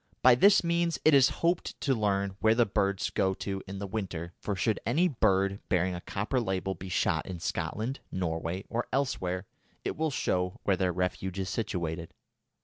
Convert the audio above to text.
By this means it is hoped to learn where the birds go to in the winter, for should any bird bearing a copper label be shot in Scotland, Norway, or elsewhere, it will show where their refuge is situated.